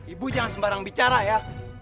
ibu jangan sembarang bicara ya